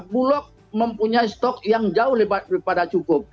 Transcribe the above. bulog mempunyai stok yang jauh daripada cukup